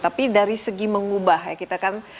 tapi dari segi mengubah ya kita kan